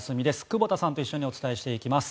久保田さんと一緒にお伝えしていきます。